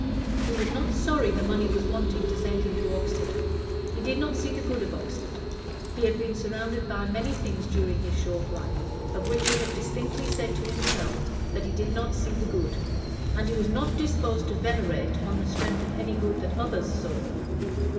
He was not sorry the money was wanting to send him to Oxford; he did not see the good of Oxford; he had been surrounded by many things during his short life, of which he had distinctly said to himself that he did not see the good, and he was not disposed to venerate on the strength of any good that others saw.